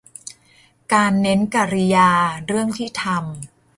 - การ เน้นกริยา เรื่องที่ทำ